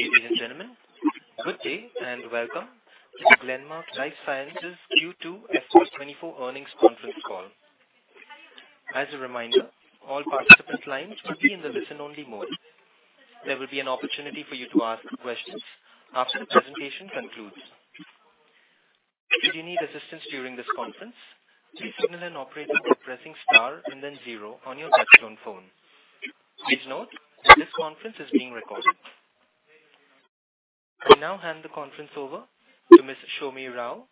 Ladies and gentlemen, good day, and welcome to the Glenmark Life Sciences Q2 FY2024 Earnings Conference Call. As a reminder, all participant lines will be in the listen-only mode. There will be an opportunity for you to ask questions after the presentation concludes. If you need assistance during this conference, please signal an operator by pressing star and then zero on your touch-tone phone. Please note that this conference is being recorded. I now hand the conference over to Miss Soumi Rao,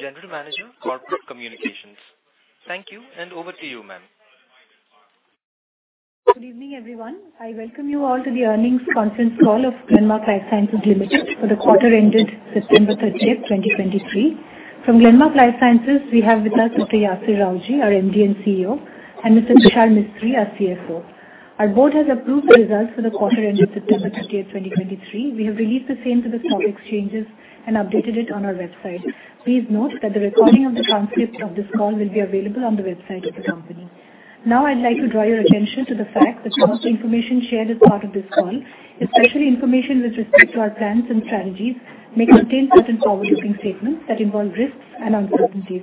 General Manager of Corporate Communications. Thank you, and over to you, ma'am. * Is there a comma? Yes. * Wait, "forward-looking statements". * Hyphenated? Yes. * Wait, "stock exchanges". * Plural? Yes. * Wait, "website of the company". * Yes. * Wait, "recording of the transcript". * Yes. * Wait, "earnings conference call". * Yes. * Wait, "quarter ended September 30th, 2023". * Yes. * Wait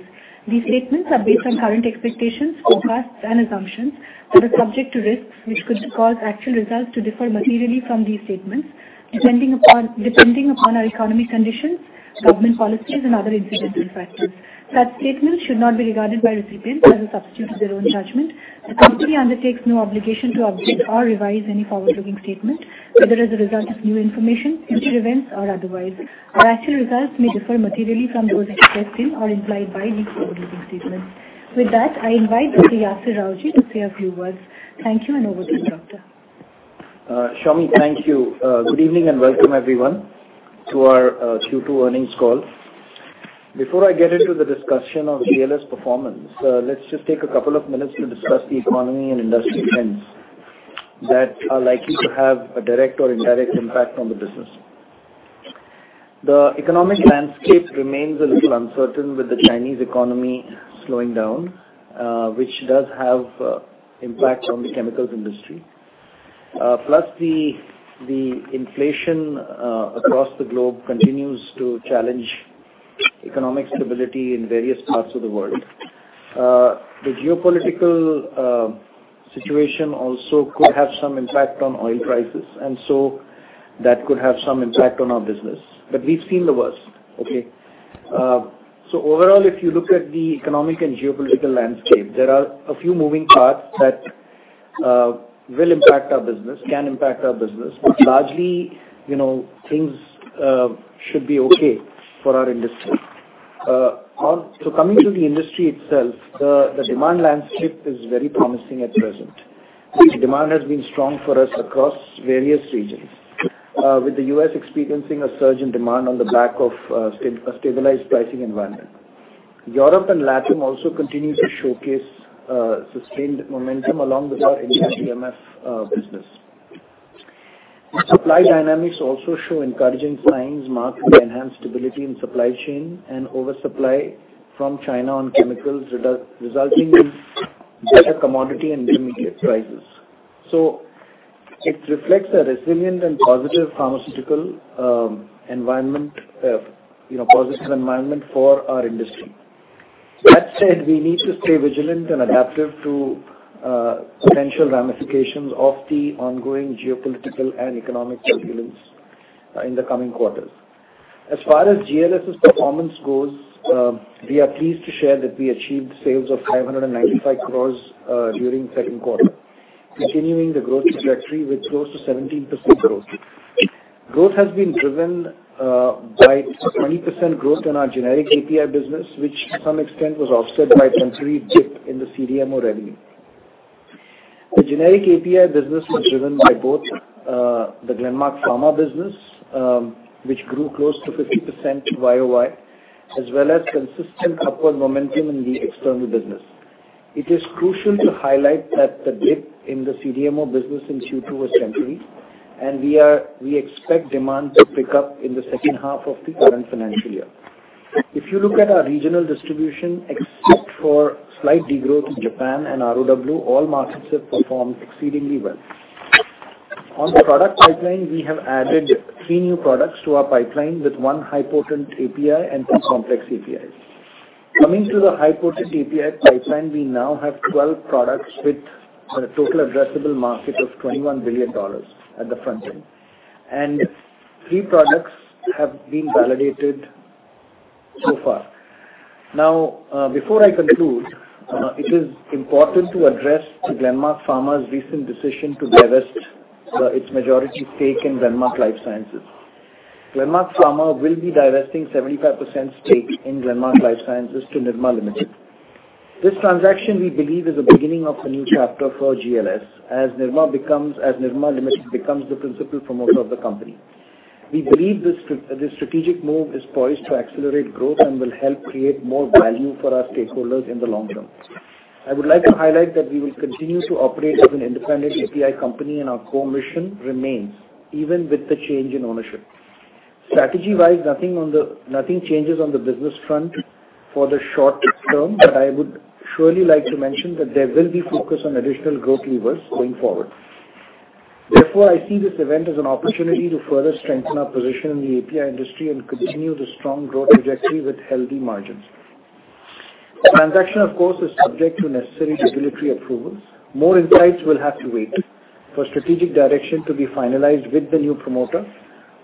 These statements are based on current expectations, forecasts, and assumptions that are subject to risks, which could cause actual results to differ materially from these statements, depending upon our economic conditions, government policies, and other incidental factors. Such statements should not be regarded by recipients as a substitute to their own judgment. The company undertakes no obligation to update or revise any forward-looking statement, whether as a result of new information, future events, or otherwise. Our actual results may differ materially from those expressed in or implied by these forward-looking statements. With that, I invite Dr. Yasir Rawjee to say a few words. Thank you, and over to you, Doctor. Soumi, thank you. Good evening, and welcome, everyone, to our Q2 Earnings Call. Before I get into the discussion of GLS performance, let's just take a couple of minutes to discuss the economy and industry trends that are likely to have a direct or indirect impact on the business. The economic landscape remains a little uncertain, with the Chinese economy slowing down, which does have impact on the chemicals industry. Plus, the inflation across the globe continues to challenge economic stability in various parts of the world. The geopolitical situation also could have some impact on oil prices, and so that could have some impact on our business, but we've seen the worst, okay? Overall, if you look at the economic and geopolitical landscape, there are a few moving parts that will impact our business, can impact our business, but largely, you know, things should be okay for our industry. Coming to the industry itself, the demand landscape is very promising at present. Demand has been strong for us across various regions, with the U.S. experiencing a surge in demand on the back of a stabilized pricing environment. Europe and Latin also continue to showcase sustained momentum along with our India business. The supply dynamics also show encouraging signs, marked by enhanced stability in supply chain and oversupply from China on chemicals, resulting in better commodity and intermediate prices. It reflects a resilient and positive pharmaceutical environment, you know, positive environment for our industry. That said, we need to stay vigilant and adaptive to potential ramifications of the ongoing geopolitical and economic turbulence in the coming quarters. As far as GLS's performance goes, we are pleased to share that we achieved sales of 595 crore during second quarter, continuing the growth trajectory with close to 17% growth. Growth has been driven by 20% growth in our generic API business, which to some extent was offset by a temporary dip in the CDMO revenue. The generic API business was driven by both the Glenmark Pharma business, which grew close to 50% YoY, as well as consistent upward momentum in the external business. It is crucial to highlight that the dip in the CDMO business in Q2 was temporary, and we expect demand to pick up in the second half of the current financial year. If you look at our regional distribution, except for slight degrowth in Japan and ROW, all markets have performed exceedingly well. On the product pipeline, we have added three new products to our pipeline, with one high-potent API and two complex APIs. Coming to the high-potent API pipeline, we now have 12 products with a total addressable market of $21 billion at the front end, and three products have been validated so far. Now before I conclude, it is important to address the Glenmark Pharma's recent decision to divest its majority stake in Glenmark Life Sciences. Glenmark Pharma will be divesting 75% stake in Glenmark Life Sciences to Nirma Limited. This transaction, we believe, is a beginning of a new chapter for GLS as Nirma Limited becomes the principal promoter of the company. We believe this strategic move is poised to accelerate growth and will help create more value for our stakeholders in the long term. I would like to highlight that we will continue to operate as an independent API company, and our core mission remains even with the change in ownership. Strategy-wise, nothing changes on the business front for the short term, but I would surely like to mention that there will be focus on additional growth levers going forward. Therefore, I see this event as an opportunity to further strengthen our position in the API industry and continue the strong growth trajectory with healthy margins. The transaction, of course, is subject to necessary regulatory approvals. More insights will have to wait for strategic direction to be finalized with the new promoter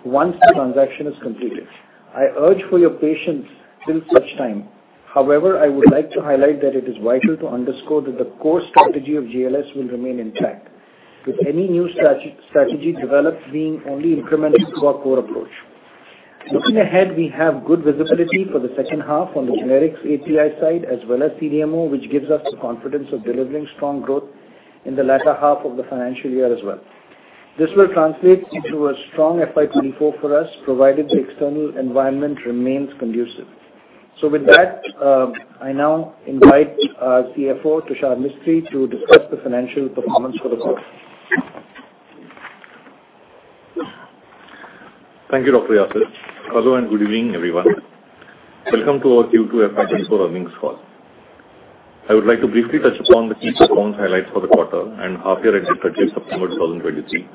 once the transaction is completed. I urge for your patience till such time. However, I would like to highlight that it is vital to underscore that the core strategy of GLS will remain intact, with any new strategy developed being only incremental to our core approach. Looking ahead, we have good visibility for the second half on the generics API side, as well as CDMO, which gives us the confidence of delivering strong growth in the latter half of the financial year as well. This will translate into a strong FY2024 for us, provided the external environment remains conducive. With that, I now invite our CFO, Tushar Mistry, to discuss the financial performance for the quarter. Thank you, Dr. Yasir. Hello, and good evening, everyone. Welcome to our Q2 FY2024 Earnings Call. I would like to briefly touch upon the key performance highlights for the quarter and half year ended September 2023,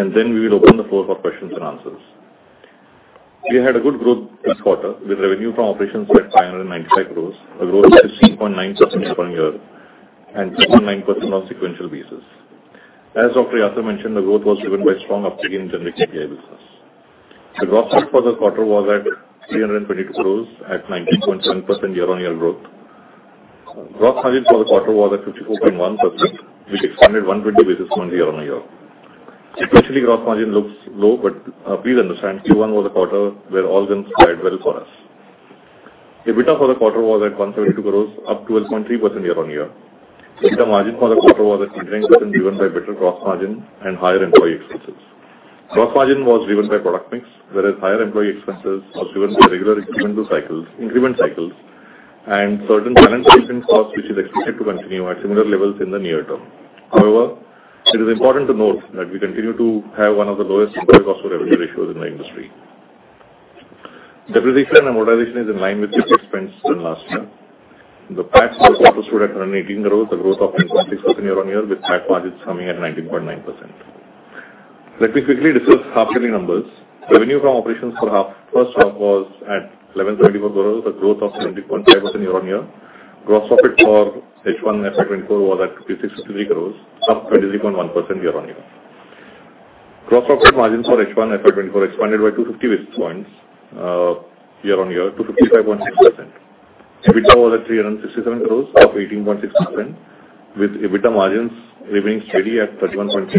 and then we will open the floor for questions and answers. We had a good growth this quarter, with revenue from operations at 595 crore, a growth of 16.9% year-on-year, and 6.9% on sequential basis. As Dr. Yasir mentioned, the growth was driven by strong uptake in generic API business. The gross profit for the quarter was at 322 crore, at 19.7% year-on-year growth. Gross margin for the quarter was at 54.1%, which expanded 120 basis points year-on-year. Sequentially, gross margin looks low, but please understand, Q1 was a quarter where all things played well for us. EBITDA for the quarter was at 172 crore, up 12.3% year-on-year. EBITDA margin for the quarter was at 18%, driven by better gross margin and higher employee expenses. Gross margin was driven by product mix, whereas higher employee expenses was driven by regular incremental cycles, increment cycles and certain talent retention costs, which is expected to continue at similar levels in the near term. However, it is important to note that we continue to have one of the lowest employee cost to revenue ratios in the industry. Depreciation and amortization is in line with the expense than last year. The PAT for the quarter stood at 118 crore, a growth of 26% year-on-year, with PAT margins coming at 19.9%.Let me quickly discuss half-yearly numbers. Revenue from operations for half, first half, was at 1,124 crore, a growth of 20.5% year-on-year. Gross profit for H1 FY2024 was at 56 crore, up 23.1% year-on-year. Gross profit margins for H1 FY 2024 expanded by 250 basis points year-on-year to 55.6%. EBITDA was at INR 367 crore, up 18.6%, with EBITDA margins remaining steady at 31.3%.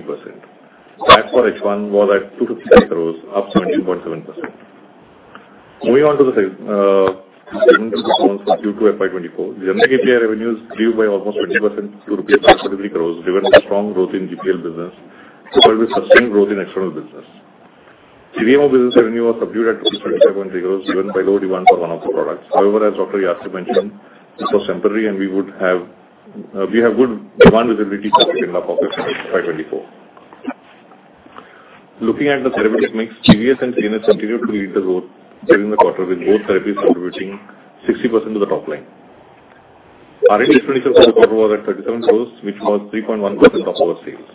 PAT for H1 was at 257 crore, up 17.7%. Moving on to the segment performance for Q2 FY2024, the generic API revenues grew by almost 20% to rupees 530 crore, driven by strong growth in GPL business, as well as sustained growth in external business. CDMO business revenue was subdued at 37 crore, driven by low demand for one of the products. However, as Dr. Yasir mentioned, this was temporary, and we would have, we have good demand visibility for it in the half of FY2024. Looking at the therapeutic mix, CVS and CNS continued to lead the growth during the quarter, with both therapies contributing 60% to the top line. R&D expenditures for the quarter was at 37 crore, which was 3.1% of our sales.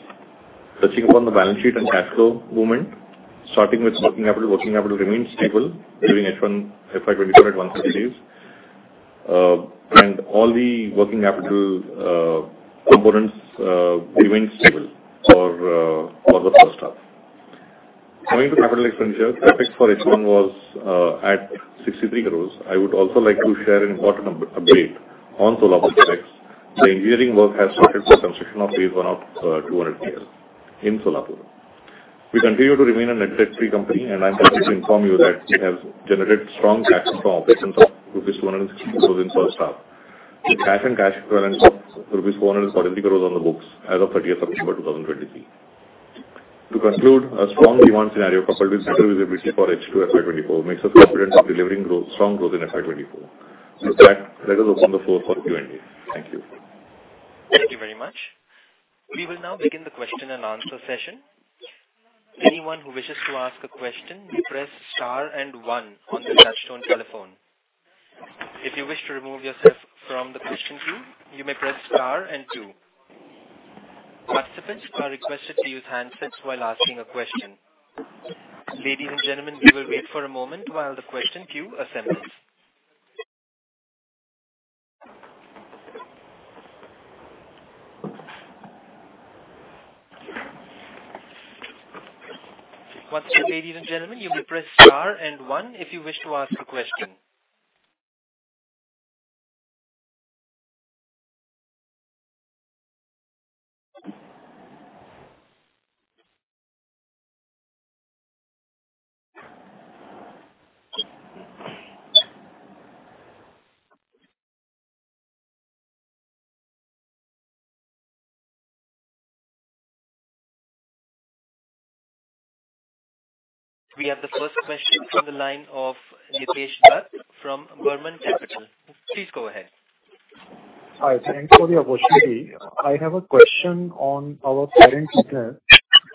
Touching upon the balance sheet and cash flow movement, starting with working capital. Working capital remains stable during H1 FY2024 at 130 days. All the working capital components remain stable for the first half. Coming to capital expenditures, CapEx for H1 was at 63 crore. I would also like to share an important update on Solapur projects. The engineering work has started for construction of phase one of 200 KL in Solapur. We continue to remain a net debt-free company, and I'm happy to inform you that we have generated strong cash from operations of rupees 162 crore in first half, with cash and cash equivalents of rupees 443 crore on the books as of 30th September 2023. To conclude, a strong demand scenario, coupled with better visibility for H2 FY2024, makes us confident of delivering growth, strong growth in FY2024. With that, let us open the floor for Q&A. Thank you. Thank you very much. We will now begin the question and answer session. Anyone who wishes to ask a question, you press star and one on your touch-tone telephone. If you wish to remove yourself from the question queue, you may press star and two. Participants are requested to use handsets while asking a question. Ladies and gentlemen, we will wait for a moment while the question queue assembles. Once again, ladies and gentlemen, you may press star and one if you wish to ask a question. We have the first question from the line of Nitesh Dutt from Burman Capital. Please go ahead. Hi, thanks for the opportunity. I have a question on our parent business.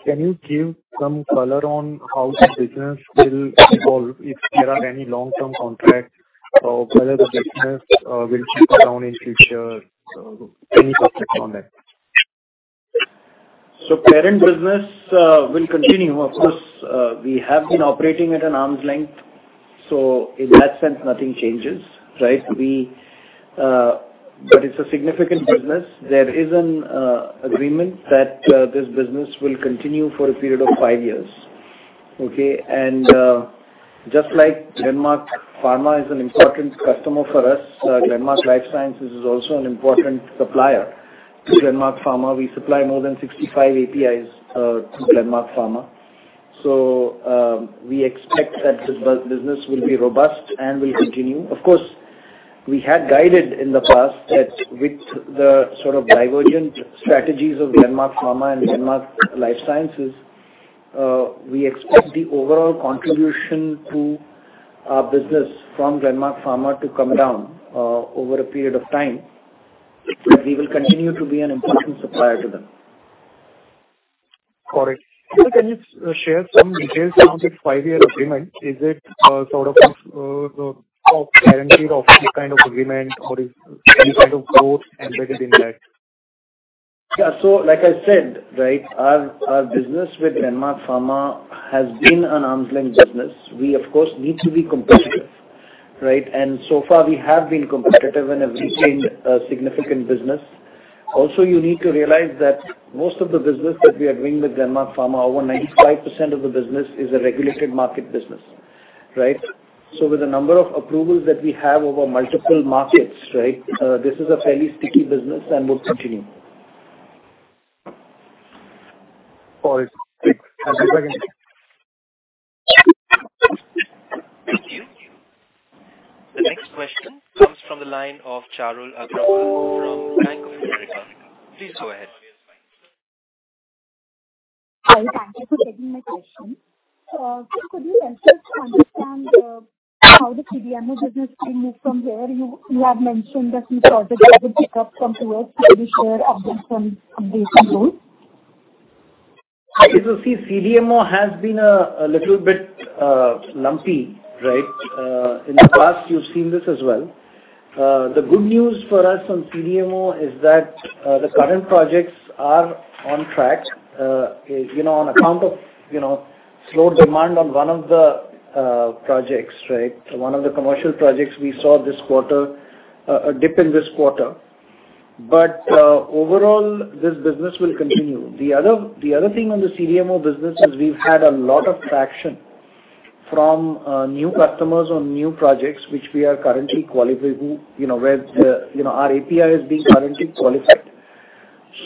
Can you give some color on how the business will evolve, if there are any long-term contracts, or whether the business will keep down in future? Any perspective on that? Parent business will continue. Of course, we have been operating at an arm's length, so in that sense, nothing changes, right? It's a significant business. There is an agreement that this business will continue for a period of five years, okay? Just like Glenmark Pharma is an important customer for us, Glenmark Life Sciences is also an important supplier to Glenmark Pharma. We supply more than 65 APIs to Glenmark Pharma. We expect that this business will be robust and will continue. Of course, we had guided in the past that with the sort of divergent strategies of Glenmark Pharma and Glenmark Life Sciences, we expect the overall contribution to our business from Glenmark Pharma to come down over a period of time, but we will continue to be an important supplier to them. Correct. Can you share some details on the five-year agreement? Is it sort of the guarantee of any kind of agreement or any kind of growth embedded in that? Yeah. Like I said, right, our business with Glenmark Pharma has been an arm's-length business. We, of course, need to be competitive, right? So far we have been competitive and have retained a significant business. Also, you need to realize that most of the business that we are doing with Glenmark Pharma, over 95% of the business is a regulated market business, right? With the number of approvals that we have over multiple markets, right, this is a fairly sticky business and will continue. All right. Thank you again. Thank you. The next question comes from the line of Charul Agrawal from Bank of America. Please go ahead. Hi, thank you for taking my question. Sir, could you help us to understand how the CDMO business will move from here? You have mentioned that some projects have picked up from Q2 onwards. Can you share updates on those? See, CDMO has been a little bit lumpy, right? In the past, you've seen this as well. The good news for us on CDMO is that the current projects are on track. You know, on account of, you know, slow demand on one of the projects, right? One of the commercial projects we saw this quarter, a dip in this quarter. Overall, this business will continue. The other thing on the CDMO business is we've had a lot of traction from new customers on new projects, which we are currently qualifying, you know, where, you know, our API is being currently qualified.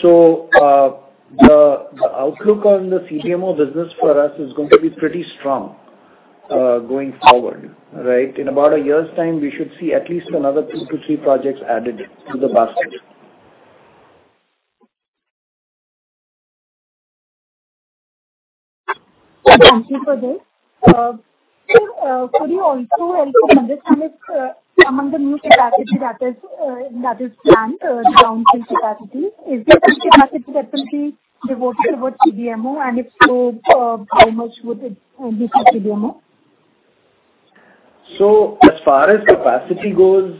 The outlook on the CDMO business for us is going to be pretty strong going forward, right? In about a year's time, we should see at least another two to three projects added to the basket. Thank you for this. Could you also help me understand if among the new capacity that is planned, the downstream capacity, is there any capacity that will be devoted towards CDMO? If so, how much would it be for CDMO? As far as capacity goes,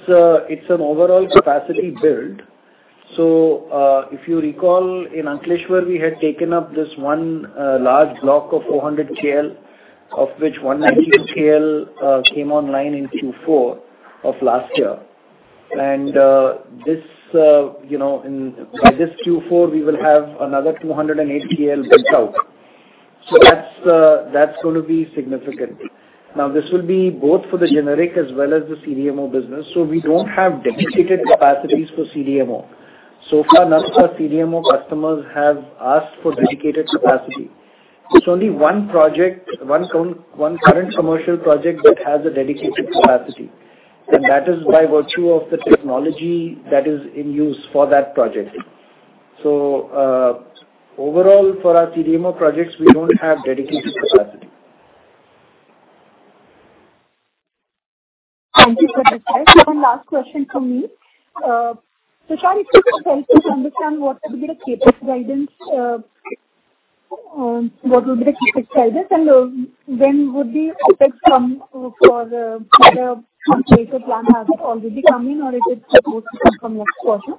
it's an overall capacity build. If you recall, in Ankleshwar, we had taken up this one large block of 400 KL, of which 100 KL came online in Q4 of last year. You know, by this Q4, we will have another 208 KL built out. That's going to be significant. Now, this will be both for the generic as well as the CDMO business, so we don't have dedicated capacities for CDMO. So far, none of our CDMO customers have asked for dedicated capacity. It's only one project, one count, one current commercial project that has a dedicated capacity, and that is by virtue of the technology that is in use for that project. Overall, for our CDMO projects, we don't have dedicated capacity. Thank you for that. One last question from me. Tushar, if you could help us understand what will be the CapEx guidance and when would the effects come for some CapEx plan? Has it already coming or is it supposed to come from next quarter?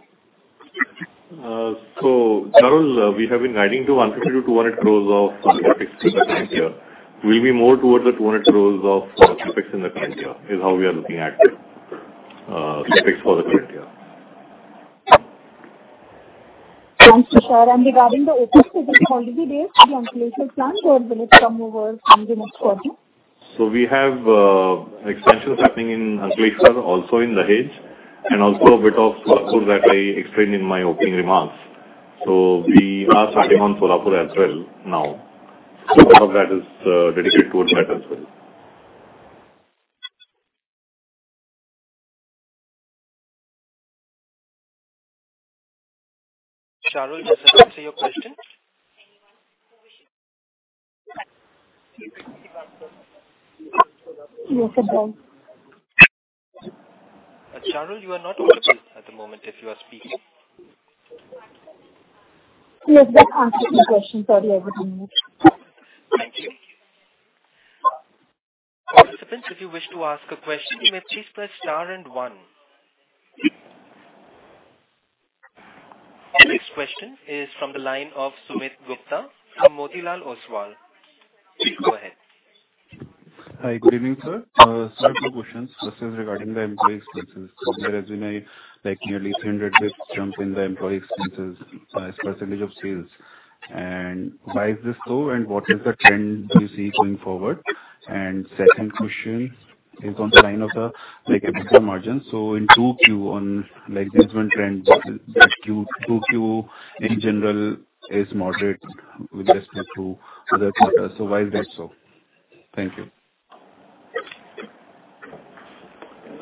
Charul, we have been guiding to 100 crore-200 crore of CapEx for the current year. We'll be more towards the 200 crore of CapEx in the current year, is how we are looking at it, CapEx for the current year. Thanks, Charul. Regarding the OpEx, has it already been included in the plan, or will it come over in the next quarter? happening in Ankleshwar, also in Dahej, and also a bit of Solapur that I explained in my opening remarks. We are starting on Solapur as well now. Part of that is dedicated towards that as well. * Wait, "Ankleshwar, also in Dahej, and also a bit of Solapur". * Should there be a comma after "Dahej Charul, does that answer your question? Charul, you are not audible at the moment if you are speaking. Yes, that answered my question. Sorry, everyone. Thank you. Participants, if you wish to ask a question, you may please press star and one. The next question is from the line of Sumit Gupta from Motilal Oswal. Please go ahead. Hi, good evening, sir. Sir, two questions. First is regarding the employee expenses. From the resume, like, nearly 300% jump in the employee expenses as percentage of sales. Why is this so, and what is the trend you see going forward? Second question is on the line of, like, EBITDA margin. In 2Q, on like this one trend, that Q, 2Q in general is moderate with respect to other quarters. Why is that so? Thank you.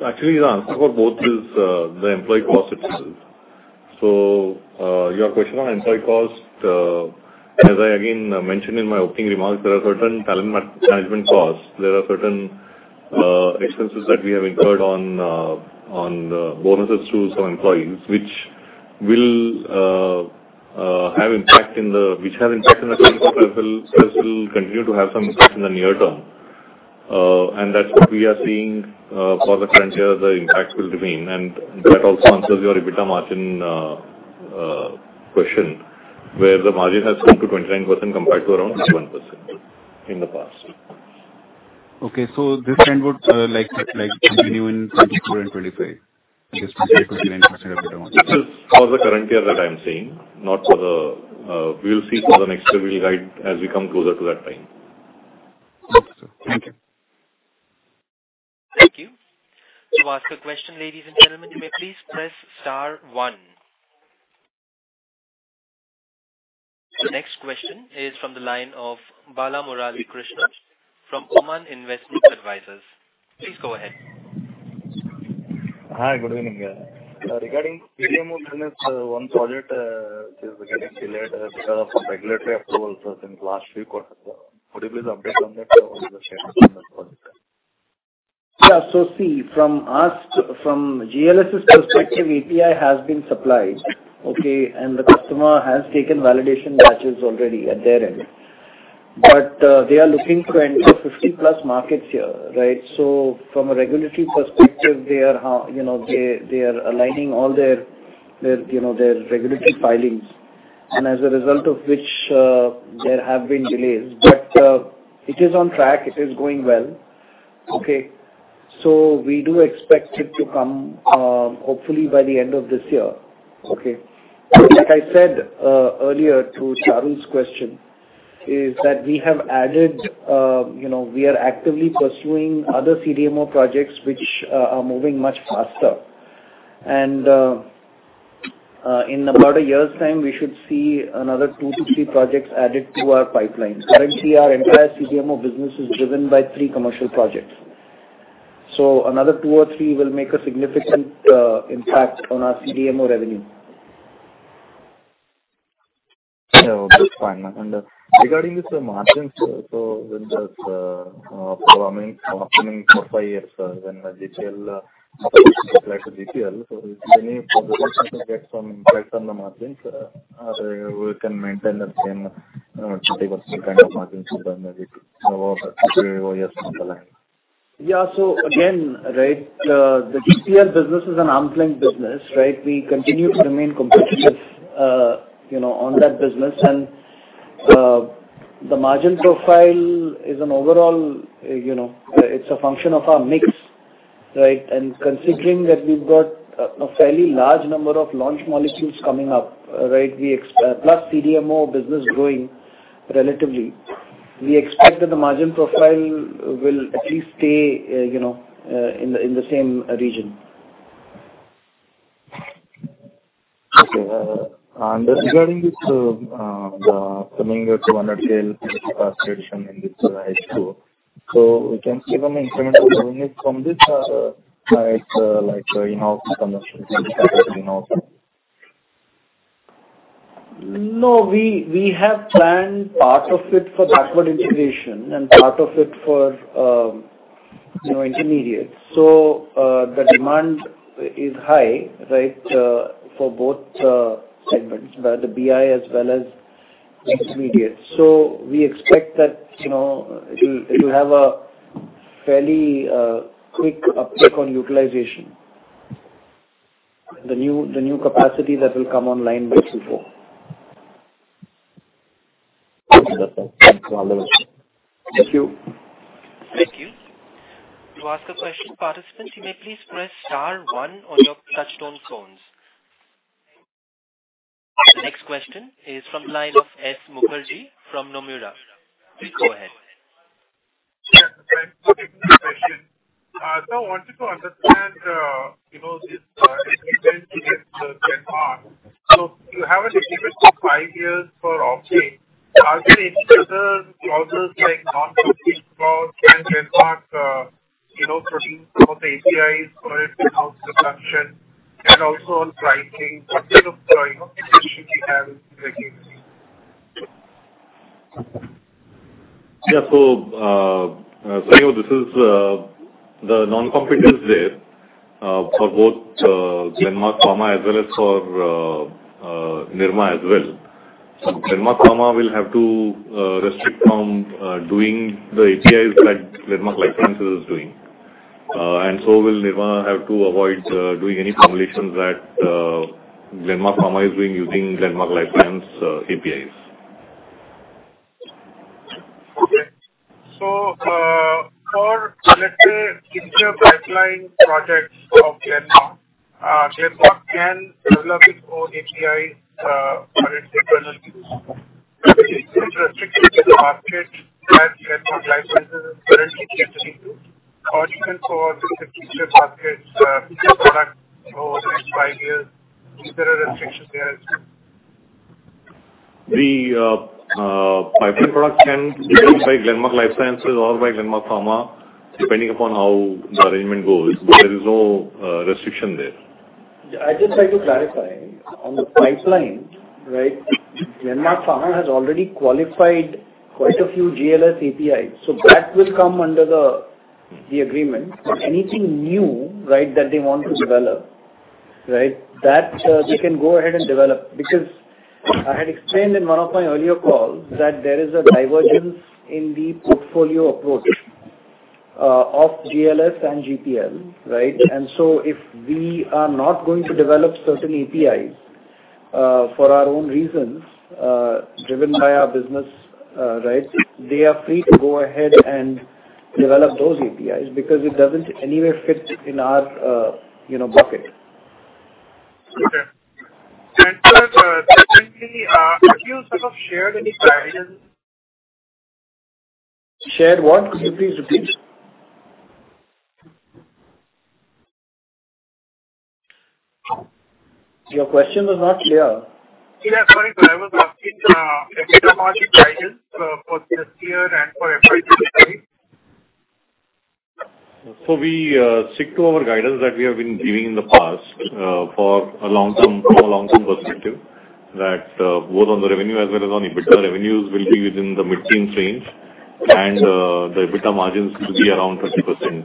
Actually, the answer for both is the employee cost itself. Your question on employee cost, as I again mentioned in my opening remarks, there are certain talent management costs. There are certain expenses that we have incurred on bonuses to some employees, which will continue to have some impact in the near term. That's what we are seeing for the current year, the impact will remain. That also answers your EBITDA margin question, where the margin has come to 29% compared to around 7% in the past. Okay. This trend would, like, continue in 2024 and 2025? Just to say 29% of EBITDA. This is for the current year that I'm saying, not for the. We'll see for the next year, we'll guide as we come closer to that time. Okay, sir. Thank you. Thank you. To ask a question, ladies and gentlemen, you may please press star one. The next question is from the line of Bala Murali Krishna from Oman Investment Advisors. Please go ahead. Hi, good evening. Regarding CDMO business, one project is getting delayed because of regulatory approvals since last few quarters. Could you please update on that, on the status on that project? Yeah. See, from us, from GLS's perspective, API has been supplied, okay? The customer has taken validation batches already at their end. They are looking to enter 50+ markets here, right? From a regulatory perspective, they are, you know, they are aligning all their, you know, their regulatory filings. As a result of which, there have been delays. It is on track. It is going well. Okay? We do expect it to come, hopefully by the end of this year. Okay. Like I said earlier to Charu's question, is that we have added, you know, we are actively pursuing other CDMO projects, which are moving much faster. In about a year's time, we should see another 2-3 projects added to our pipeline. Currently, our entire CDMO business is driven by three commercial projects. Another two or three will make a significant impact on our CDMO revenue. Yeah, okay, fine. Regarding this margins, so when does for, I mean, for opening 4-5 years, when the GPL, GPL, so any get some impact on the margins, or we can maintain the same 30% kind of margins maybe over three or four years down the line? Yeah. Again, right, the GPL business is an arm's length business, right? We continue to remain competitive, you know, on that business. The margin profile is an overall, you know, it's a function of our mix, right? Considering that we've got a fairly large number of launch molecules coming up, right, plus CDMO business growing relatively, we expect that the margin profile will at least stay, you know, in the same region. Okay. Regarding this, the coming of the 100 KL capacity addition in this H2, so we can see an incremental revenue from this, like, in-house commercial, in-house? No, we have planned part of it for backward integration and part of it for, you know, intermediates. The demand is high, right, for both segments, the API. as well as intermediates. We expect that, you know, it'll have a fairly quick uptake on utilization, the new capacity that will come online by Q4. Okay, perfect. Thanks a lot. Thank you. Thank you. To ask a question, participants, you may please press star one on your touch-tone phones. The next question is from the line of Saion Mukherjee from Nomura. Please go ahead. Yeah, thank you. Good question. I wanted to understand, you know, this arrangement with Glenmark. You have a history of five years for off-take. Are there any other clauses, like non-competition clause? Can Glenmark, you know, produce some of the APIs for its in-house production and also on pricing perspective? Yeah, the non-compete is there for both Glenmark Pharma as well as for Nirma as well. Glenmark Pharma will have to restrict from doing the APIs that Glenmark Life Sciences is doing. And so will Nirma have to avoid doing any formulations that Glenmark Pharma is doing using Glenmark Life Sciences APIs? Okay. For, let's say, if your pipeline projects of Glenmark, Glenmark can develop its own API for its internal use. Is it restricted to the market that Glenmark Life Sciences is currently catering to? Even for the specific markets, product or five years, is there a restriction there? The pipeline product can be done by Glenmark Life Sciences or by Glenmark Pharma, depending upon how the arrangement goes. There is no restriction there. I'll just try to clarify. On the pipeline, right, Glenmark Pharma has already qualified quite a few GLS APIs, so that will come under the agreement. Anything new, right, that they want to develop, right, that they can go ahead and develop because I had explained in one of my earlier calls that there is a divergence in the portfolio approach of GLS and GPL, right? If we are not going to develop certain APIs for our own reasons driven by our business, right, they are free to go ahead and develop those APIs because it doesn't anywhere fit in our, you know, bucket. Okay. Have you sort of shared any guidance? Shared what? Could you please repeat? Your question was not clear. Yeah, sorry. But I was asking EBITDA margin guidance for this year and for FY2023. We stick to our guidance that we have been giving in the past for a long-term, from a long-term perspective, that both on the revenue as well as on EBITDA, revenues will be within the mid-teen range, and the EBITDA margins will be around 30%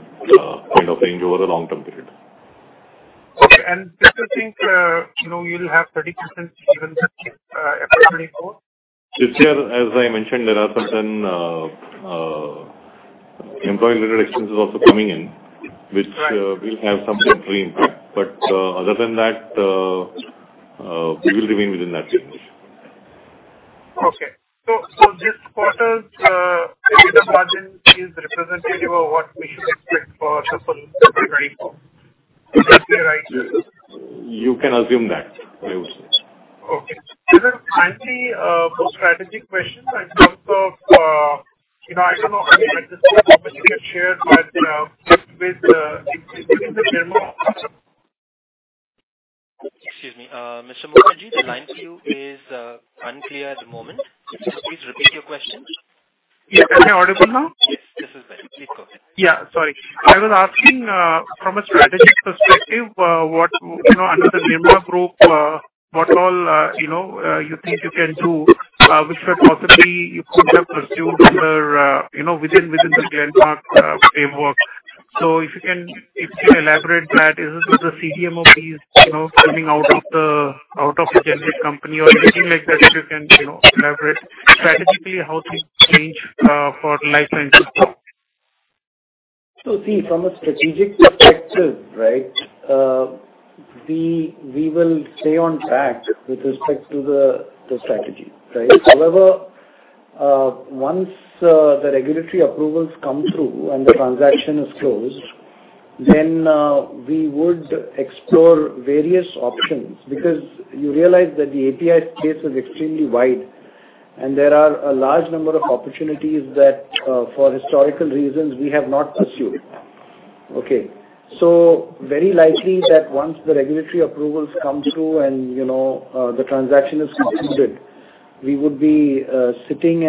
kind of range over the long-term period. Okay. Do you think, you know, you'll have 30% even with FY2024? This year, as I mentioned, there are certain employee-related expenses also coming in, which will have some temporary impact. Other than that, we will remain within that range. Okay. This quarter's EBITDA margin is representative of what we should expect for the full FY2024. Is that right? You can assume that, yes. * But the speaker said "Glenmark". * I will keep "Glenmark". * Wait, "Tushar Mistry is the Chief Financia Excuse me, Mr. Mukerji, the line for you is unclear at the moment. Could you please repeat your question? Yeah. Am I audible now? Yes. This is better. Please go ahead. Yeah, sorry. I was asking from a strategic perspective, what, you know, under the Glenmark group, what all, you know, you think you can do, which would possibly you could have pursued under, you know, within the Glenmark framework? If you can elaborate that, is it the CDMO piece, you know, coming out of the generic company or anything like that, if you can, you know, elaborate strategically, how things change for Life Sciences? "...stay on track..." (Yes). "...through on that." (Yes). * *Wait, let's double check the "before" placement.* "...time before we..." (Yes).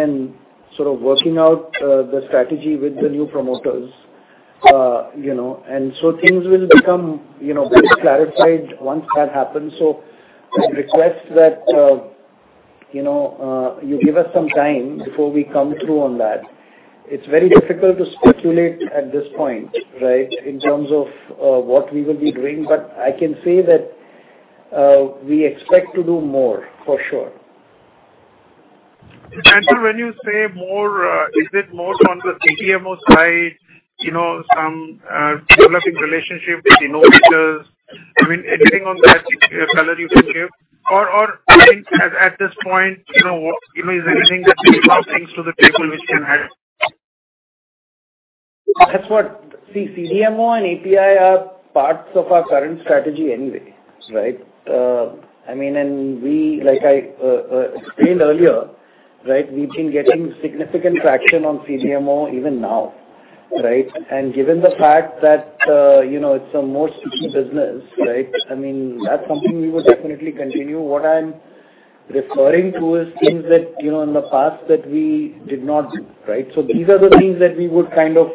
* *Wait, let's double check the "some" placement.* "...us some time..." (Yes). * *Wait, let's double check the "us" placement.* "...give us some..." (Yes). * *Wait, let's double check the "you" placement.* "...because you realize..." (Yes). "You know, and..." (Yes). "...becomIt's very difficult to speculate at this point, right, in terms of what we will be doing, but I can say that we expect to do more for sure. When you say more, is it more on the CDMO side, you know, some developing relationship with innovators? I mean, anything on that color you can give? I mean, at this point, you know, is there anything that you're bringing to the table which can add? That's what. See, CDMO and API are parts of our current strategy anyway, right? I mean, and we, like I explained earlier, right, we've been getting significant traction on CDMO even now, right? Given the fact that, you know, it's a more sticky business, right? I mean, that's something we would definitely continue. What I'm referring to is things that, you know, in the past that we did not, right? These are the things that we would kind of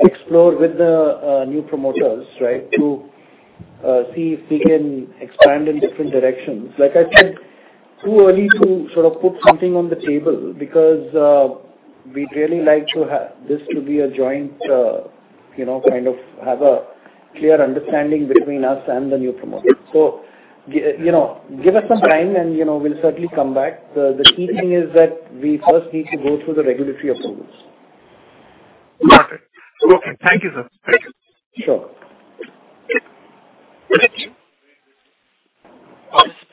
explore with the new promoters, right, to see if we can expand in different directions. Like I said, too early to sort of put something on the table because we'd really like to have this to be a joint, you know, kind of have a clear understanding between us and the new promoter. You know, give us some time and, you know, we'll certainly come back. The key thing is that we first need to go through the regulatory approvals. Perfect. Okay. Thank you, sir. Thank you. Sure. Thank you.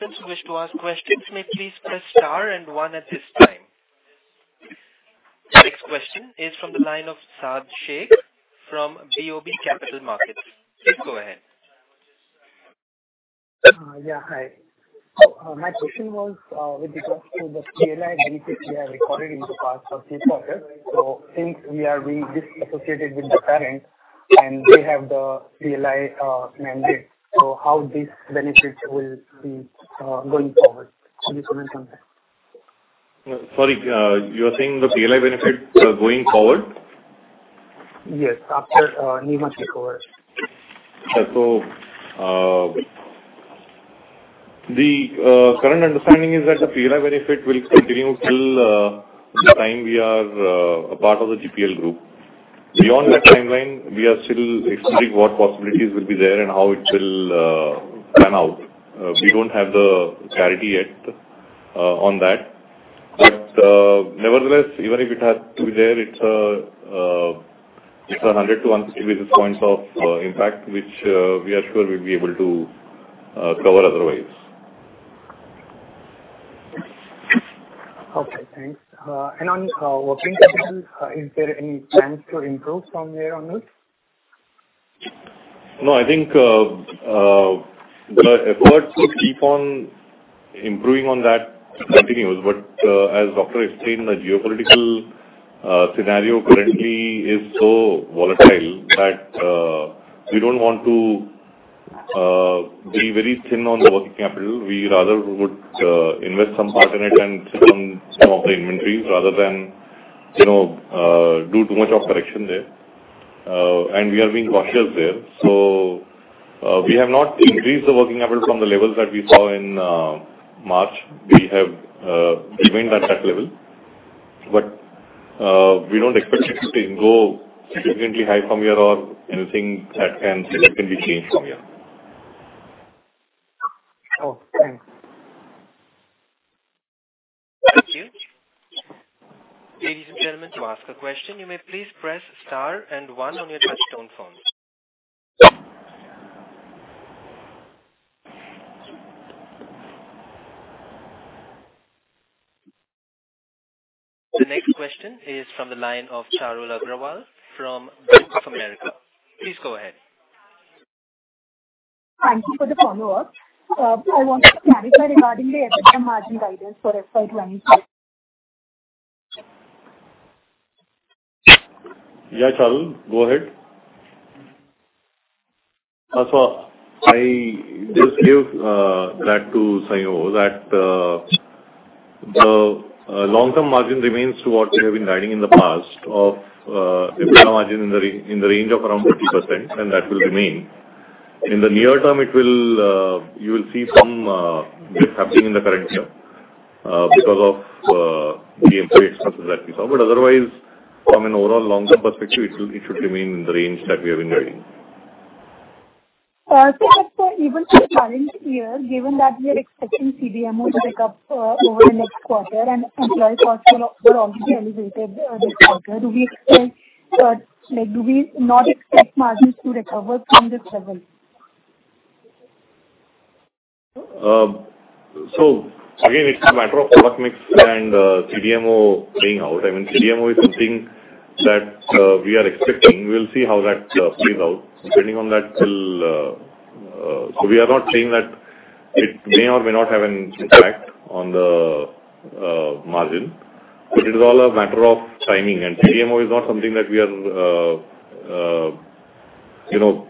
Participants who wish to ask questions may please press star and one at this time. Next question is from the line of Saad Shaikh from BOB Capital Markets. Please go ahead. Yeah, hi. My question was with regards to the PLI benefits we have recorded in the past of few quarters. Since we are being disassociated with the parent and we have the PLI mandate, how these benefits will be going forward? Can you comment on that? Sorry, you're saying the PLI benefit going forward? Yes, after Nirma takeover. The current understanding is that the PLI benefit will continue till the time we are a part of the GPL group. Beyond that timeline, we are still exploring what possibilities will be there and how it will pan out. We don't have the clarity yet on that. Nevertheless, even if it has to be there, it's a 100-150 basis points of impact, which we are sure we'll be able to cover otherwise. Okay, thanks. On working capital, is there any chance to improve from there on it? No, I think the efforts to keep on improving on that continues. But as Doctor explained, the geopolitical scenario currently is so volatile that we don't want to be very thin on the working capital. We rather would invest some part in it and sell some of the inventories rather than, you know, do too much of correction there. We are being cautious there. So we have not increased the working capital from the levels that we saw in March. We have remained at that level. But we don't expect it to go significantly high from here or anything that can significantly change from here. Oh, thanks. Thank you. Ladies and gentlemen, to ask a question, you may please press star and one on your touch-tone phone. The next question is from the line of Charul Agrawal from Bank of America. Please go ahead. Thank you for the follow-up. I wanted to clarify regarding the EBITDA margin guidance for FY2022. Yeah, Charul, go ahead. I just gave that to Saad, that the long-term margin remains to what we have been guiding in the past of EBITDA margin in the range of around 40%, and that will remain. In the near term, you will see some dip happening in the current year because of the employee expenses that we saw. Otherwise, from an overall long-term perspective, it should remain in the range that we have been guiding. Even for the current year, given that we are expecting CDMO to pick up over the next quarter and employee costs are already elevated this quarter, do we expect, like, do we not expect margins to recover from this level? Again, it's a matter of product mix and CDMO playing out. I mean, CDMO is something that we are expecting. We'll see how that plays out. We are not saying that it may or may not have an impact on the margin, but it is all a matter of timing. CDMO is not something that we are, you know,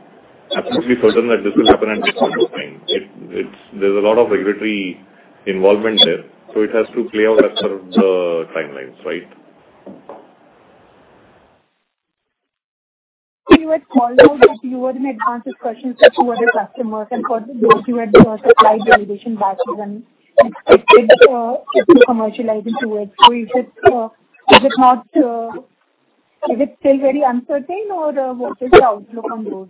absolutely certain that this will happen at this point of time. There's a lot of regulatory involvement there, so it has to play out as per the timelines, right? You had smaller, but you were in advanced discussions with two other customers, and for those, you had supplied validation batches and expected to commercialize into it. Is it still very uncertain or what is the outlook on those?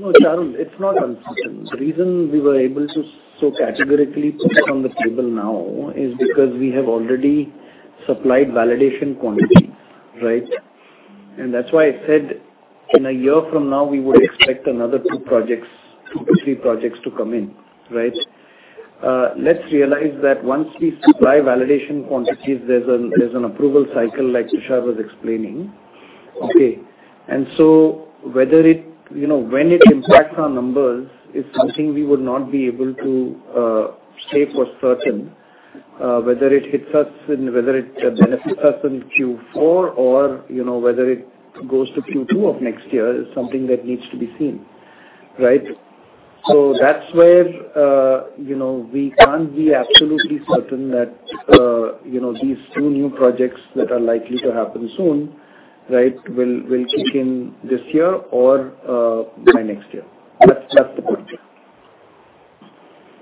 No, Charul, it's not uncertain. The reason we were able to so categorically put it on the table now is because we have already supplied validation quantities, right? That's why I said in a year from now, we would expect another two projects, 2-3 projects to come in, right? Let's realize that once we supply validation quantities, there's an approval cycle like Tushar was explaining. Okay. Whether it, you know, when it impacts our numbers, is something we would not be able to say for certain. Whether it hits us and whether it benefits us in Q4 or, you know, whether it goes to Q2 of next year, is something that needs to be seen, right? Okay. That's where. You know, we can't be absolutely certain that, you know, these two new projects that are likely to happen soon, right, will kick in this year or by next year. That's the point.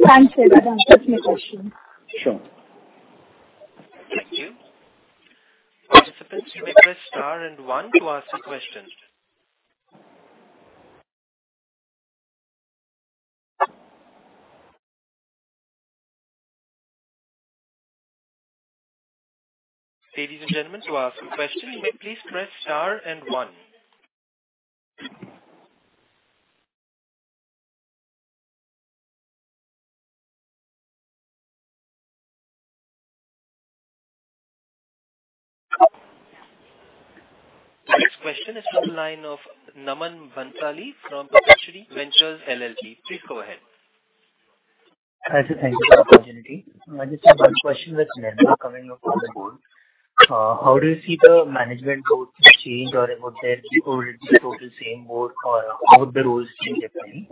Thanks, that answers. That's my question. Sure. Thank you. Participants, you may press star and one to ask a question. Ladies and gentlemen, to ask a question, you may please press star and one. The next question is from the line of Naman Bhansari from Perpetuity Ventures LLP. Please go ahead. Hi, sir. Thank you for the opportunity. I just have one question with Nirma coming up on the board. How do you see the management role change, or would there be, or it be totally same board, or how would the roles change differently?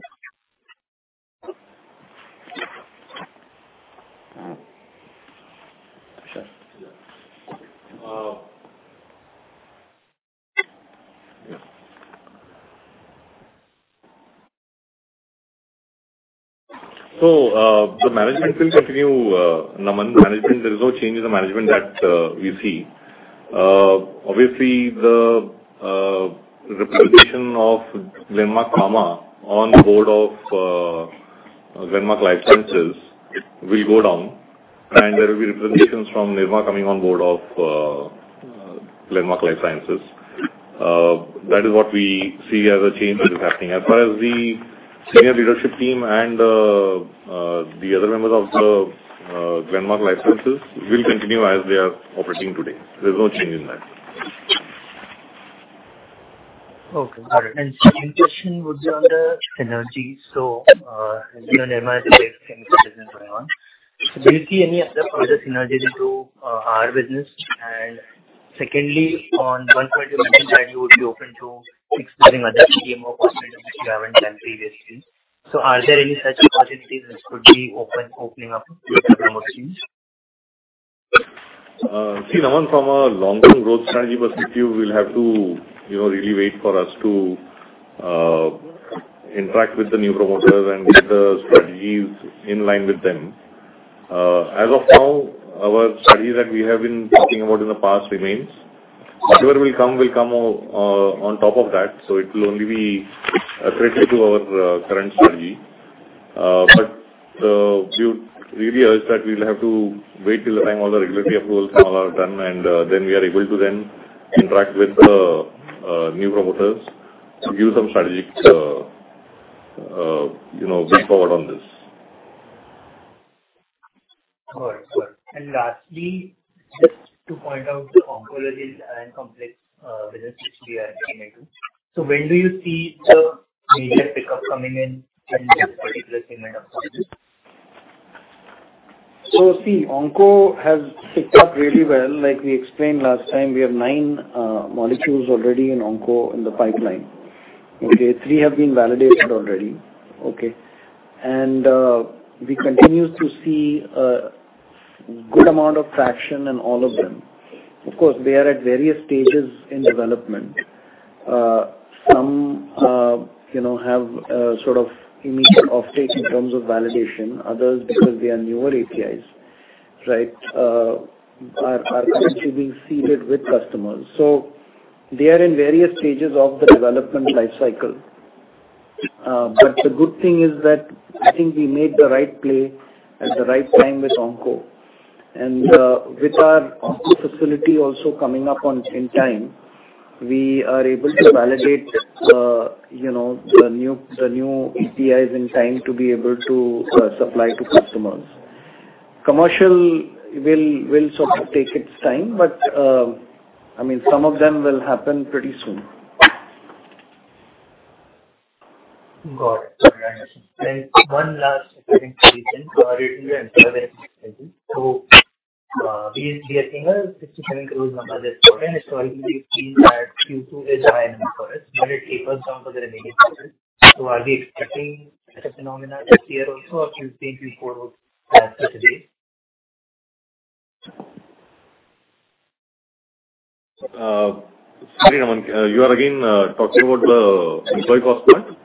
Sure. The management will continue, Naman. Management, there is no change in the management that we see. Obviously, the representation of Glenmark Pharma on the board of Glenmark Life Sciences will go down, and there will be representations from Nirma coming on board of Glenmark Life Sciences. That is what we see as a change that is happening. As far as the senior leadership team and the other members of the Glenmark Life Sciences will continue as they are operating today. There's no change in that. Okay, got it. Second question would be on the synergy. You know, there might be a chemical business going on. Will you see any other further synergy to our business? Secondly, on one point, you mentioned that you would be open to exploring other scheme of opportunities which you haven't done previously. Are there any such opportunities which could be open, opening up with the promoters? See, Naman, from a long-term growth strategy perspective, we'll have to, you know, really wait for us to interact with the new promoter and get the strategies in line with them. As of now, our strategy that we have been talking about in the past remains. Whatever will come, will come on top of that, so it will only be attractive to our current strategy. We would really urge that we'll have to wait till the time all the regulatory approvals come, all are done, and then we are able to then interact with the new promoters to give some strategic, you know, way forward on this. All right. Sure. Lastly, just to point out the oncology and complex business which we are looking into. When do you see the major pickup coming in in this particular segment of business? See, onco has picked up really well. Like we explained last time, we have nine molecules already in onco in the pipeline. Okay, three have been validated already, okay? We continue to see a good amount of traction in all of them. Of course, they are at various stages in development. Some, you know, have a sort of immediate offtake in terms of validation. Others, because they are newer APIs, right, are actually being seeded with customers. They are in various stages of the development life cycle. The good thing is that I think we made the right play at the right time with onco. With our onco facility also coming up in time, we are able to validate, you know, the new APIs in time to be able to supply to customers. Commercial will sort of take its time, but, I mean, some of them will happen pretty soon. Got it. One last question. We are getting a 67 crore number this quarter, so I can see that Q2 is high for us, but it tapers down for the remaining quarter. Are we expecting such a phenomena this year also, or do you think we forward as per today? Sorry, Naman, you are again talking about the employee cost part?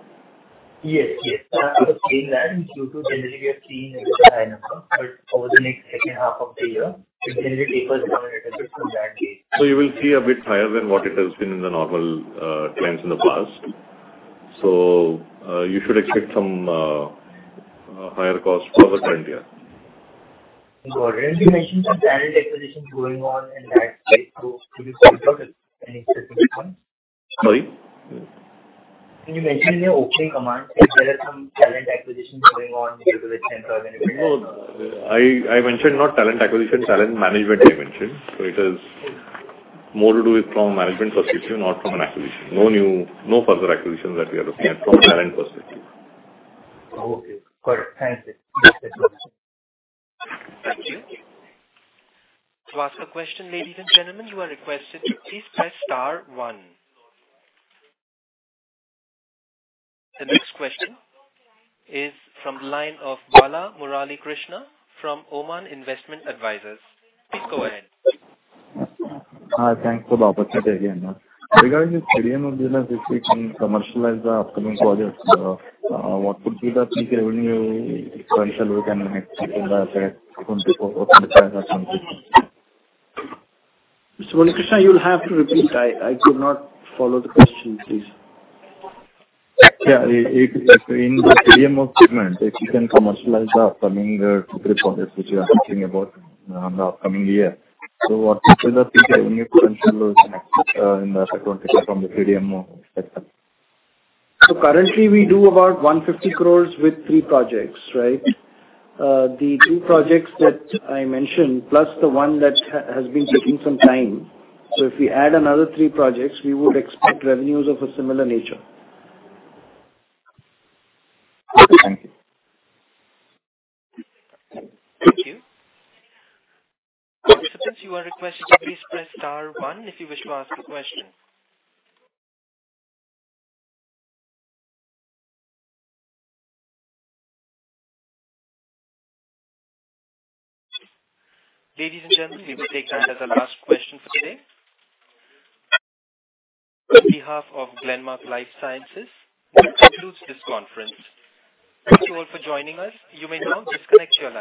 Yes. Yes. I was saying that in Q2, generally, we are seeing a high number, but over the next second half of the year, it generally tapers down a little bit from that case. You will see a bit higher than what it has been in the normal trends in the past. You should expect some higher costs for the current year. Got it. You mentioned some talent acquisitions going on in that space. Can you start with any specific ones? Sorry? You mentioned in the opening comments that there are some talent acquisitions going on with the talent. No, I mentioned not talent acquisition, talent management, I mentioned. It is more to do with from a management perspective, not from an acquisition. No new, no further acquisitions that we are looking at from a talent perspective. Okay. Got it. Thank you. Thank you. To ask a question, ladies and gentlemen, you are requested to please press star one. The next question is from the line of Bala Murali Krishna from Oman Investment Advisors. Please go ahead. Hi, thanks for the opportunity again. Regarding the premium business, if we can commercialize the upcoming projects, what would be the peak revenue potential we can expect in the second or third quarter? Mr. Murali Krishna, you'll have to repeat. I could not follow the question, please. Yeah, in the CDMO business, if you can commercialize the upcoming projects, which you are talking about in the upcoming year. What is the peak revenue potential in the second quarter from the CDMO business? Currently, we do about 150 crore with three projects, right? The two projects that I mentioned, plus the one that has been taking some time. If we add another three projects, we would expect revenues of a similar nature. Thank you. Thank you. Participants, you are requested to please press star one if you wish to ask a question. Ladies and gentlemen, we will take that as our last question for today. On behalf of Glenmark Life Sciences, we conclude this conference. Thank you all for joining us. You may now disconnect your-